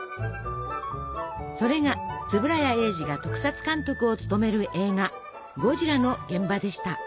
それが円谷英二が特撮監督を務める映画「ゴジラ」の現場でした。